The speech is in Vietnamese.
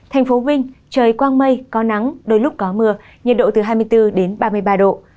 hồ chí minh trời quang mây có nắng đôi lúc có mưa nhiệt độ từ hai mươi bốn đến ba mươi ba độ